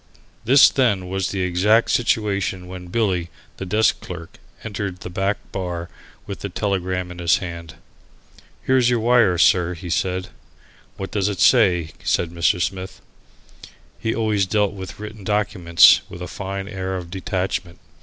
This then was the exact situation when Billy, the desk clerk, entered the back bar with the telegram in his hand. "Here's your wire, sir," he said. "What does it say?" said Mr. Smith. He always dealt with written documents with a fine air of detachment.